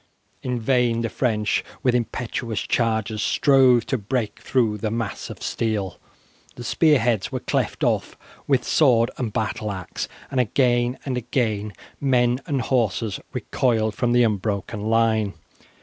In vain the French, with impetuous charges, strove to break through the mass of steel. The spear heads were cleft off with sword and battle axe, and again and again men and horses recoiled from the unbroken line.